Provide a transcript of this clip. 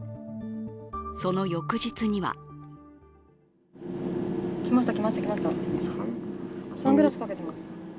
その翌日には来ました、来ました、来ました、サングラスかけてます。